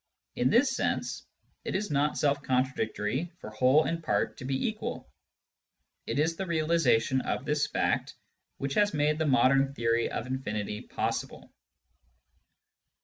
In this sense, it is not self contradictory for whole and part to be equal ; it is the realisation of this fact which has made the modern theory of infinity possible.